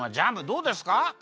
どうですか？